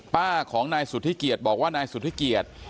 ป้าของนายสุธิเกียจบอกว่านายสุธิเกียจ